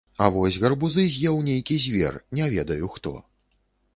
А вось гарбузы з'еў нейкі звер, не ведаю хто.